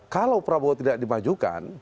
kalau prabowo tidak dimajukan